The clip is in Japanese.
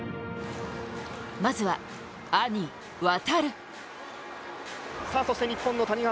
まずは、兄・航。